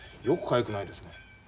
よくかゆくないですね。